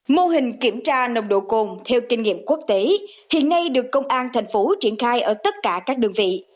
mô hình kiểm tra nồng độ cồn theo kinh nghiệm quốc tế hiện nay được công an tp hcm triển khai ở tất cả các đường vị